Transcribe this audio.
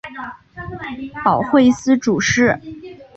保惠司主事。